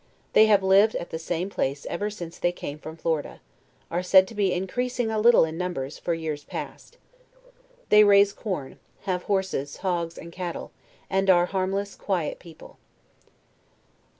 They have lived at the same place ever since they came from Florida; are said to be increasing a little in num bers, for years past. They raise corn; have horses, hogs and cattle' and are harmless quiet people.